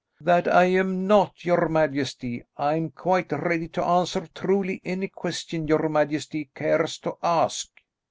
"That I am not, your majesty. I am quite ready to answer truly any question your majesty cares to ask."